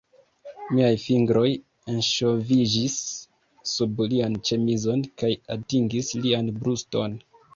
Miaj fingroj enŝoviĝis sub lian ĉemizon kaj atingis lian bruston.